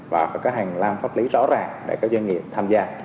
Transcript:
và phải có hàng làm pháp lý rõ ràng để các doanh nghiệp tham gia